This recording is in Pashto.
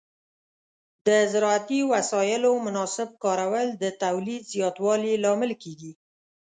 د زراعتي وسایلو مناسب کارول د تولید زیاتوالي لامل کېږي.